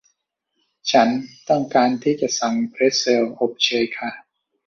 ฉันต้องการที่จะสั่งเพรทเซลอบเชยค่ะ